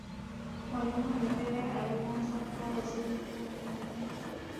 mwalimu nyerere alianza kuwa Waziri mkuu wa tanzania